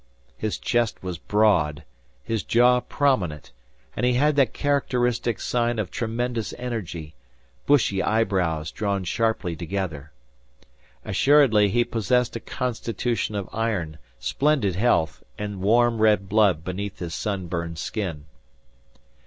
His chest was broad, his jaw prominent, and he had that characteristic sign of tremendous energy, bushy eyebrows drawn sharply together. Assuredly he possessed a constitution of iron, splendid health, and warm red blood beneath his sun burned skin.